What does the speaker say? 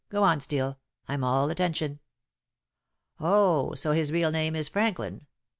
Go on, Steel. I'm all attention." "Oh! So his real name is Franklin.